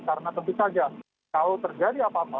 karena tentu saja kalau terjadi apa apa